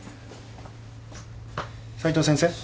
・斉藤先生？